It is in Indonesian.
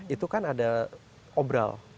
itu kan ada obral